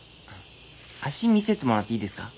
足診せてもらっていいですか？